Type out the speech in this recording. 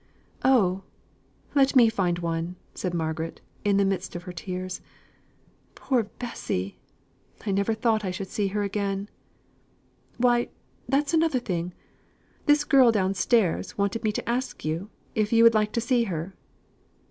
"Oh! let me find one," said Margaret, in the midst of her tears. "Poor Bessy! I never thought I should not see her again." "Why, that's another thing. This girl downstairs wanted me to ask you, if you would like to see her."